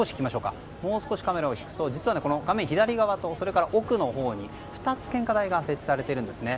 もう少しカメラを引きますと画面左側とそれから奥のほうに、２つ献花台が設置されているんですね。